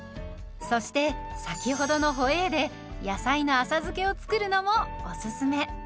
そして先ほどのホエーで野菜の浅漬けを作るのもおすすめ。